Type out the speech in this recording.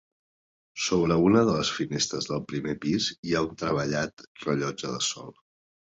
Sobre una de les finestres del primer pis hi ha un treballat rellotge de sol.